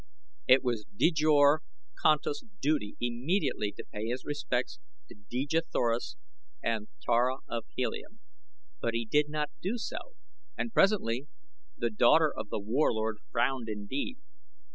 It was Djor Kantos' duty immediately to pay his respects to Dejah Thoris and Tara of Helium; but he did not do so and presently the daughter of The Warlord frowned indeed.